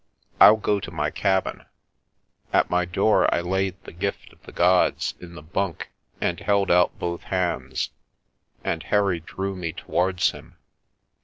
I'll go to my cabin." At my door I laid the Gift of the Gods in the bunk and held out both hands, and Harry drew me towards him.